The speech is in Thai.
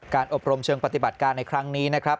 อบรมเชิงปฏิบัติการในครั้งนี้นะครับ